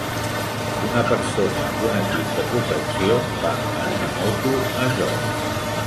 Una persona amb un equip de protecció va en una moto a joc.